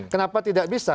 kenapa tidak bisa